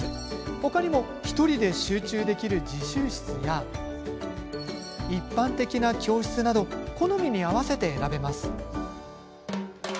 他にも１人で集中できる自習室や一般的な教室など好みに合わせて選べます。